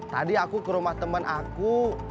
tadi aku ke rumah teman aku